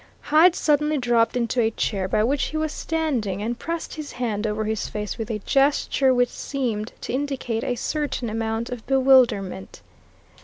Hyde suddenly dropped into a chair by which he was standing, and pressed his hand over his face with a gesture which seemed to indicate a certain amount of bewilderment.